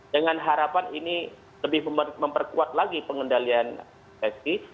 dengan harapan ini lebih memperkuat lagi pengendalian infeksi